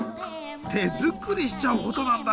手作りしちゃうほどなんだ。